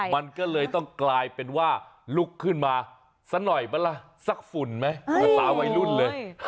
มันก็เลยต้องกลายเป็นว่าลุกขึ้นมาสักหน่อยไหมล่ะสักฝุ่นไหมภาษาวัยรุ่นเลย